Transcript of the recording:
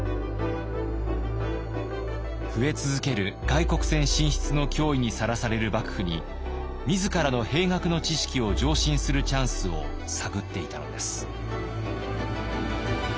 増え続ける外国船進出の脅威にさらされる幕府に自らの兵学の知識を上申するチャンスを探っていたのです。